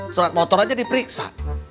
surat motor aja diperiksa